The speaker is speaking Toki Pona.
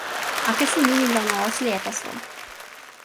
akesi ni li lon ma Oselija taso.